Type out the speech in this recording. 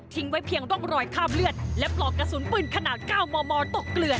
ไว้เพียงร่องรอยคาบเลือดและปลอกกระสุนปืนขนาด๙มมตกเกลือน